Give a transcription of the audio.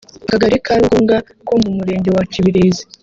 akagari ka Ruhunga ko mu murenge wa kibirizi